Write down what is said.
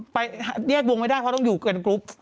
แยกวงไม่ได้เพราะต้องอยู่เกินกรุ๊ป